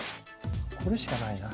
これしかないな。